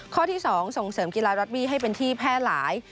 ข้อที่๒ส่งเสริมกีฬาร็อตบี้ให้เป็นที่แพร่หลาย